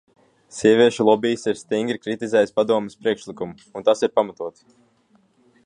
Sieviešu lobijs ir stingri kritizējis Padomes priekšlikumu, un tas ir pamatoti.